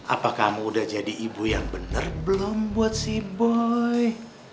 apakah kamu udah jadi ibu yang benar belum buat si boy